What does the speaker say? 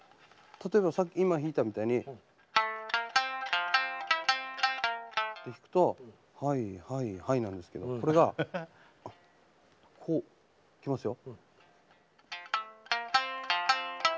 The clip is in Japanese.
例えばさっき今弾いたみたいに。って弾くとはいはいはいなんですけどこれがこういきますよ。